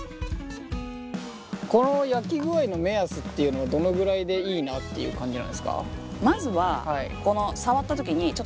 この焼き具合の目安っていうのはどのくらいでいいなっていう感じなんですか？